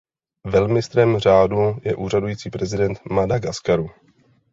Velmistrem řádu je úřadující prezident Madagaskaru.